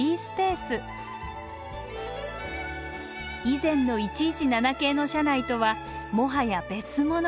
以前の１１７系の車内とはもはや別物。